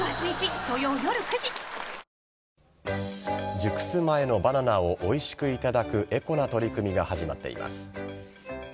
熟す前のバナナをおいしくいただくエコな取り組みが始まっています。